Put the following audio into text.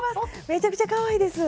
めちゃくちゃかわいいです！